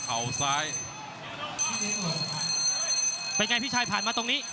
เป็นไงพี่ชายผ่านมาตรงนี้